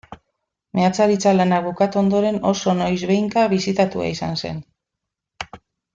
Meatzaritza lanak bukatu ondoren, oso noizbehinka bisitatua izan zen.